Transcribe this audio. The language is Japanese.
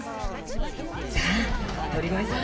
さあ鳥越さん